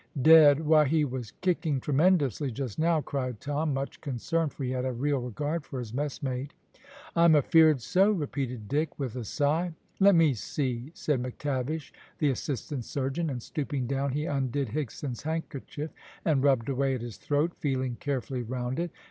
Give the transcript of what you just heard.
"Dead! why he was kicking tremendously just now," cried Tom, much concerned, for he had a real regard for his messmate. "I'm afeered so," repeated Dick, with a sigh. "Let me see," said McTavish, the assistant surgeon, and stooping down he undid Higson's handkerchief and rubbed away at his throat, feeling carefully round it.